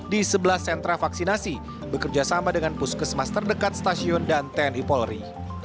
di sebelah sentra vaksinasi bekerjasama dengan puskesmas terdekat stasiun dan tni polri